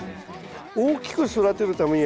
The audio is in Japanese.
大きく育てるためにはですね